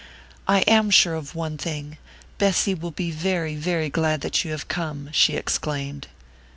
"I am sure of one thing Bessy will be very, very glad that you have come," she exclaimed.